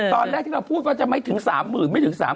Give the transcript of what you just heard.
ตอนแรกที่เราพูดว่าจะไม่ถึง๓หมื่น